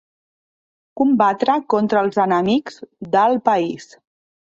Combatre contra els enemics del país.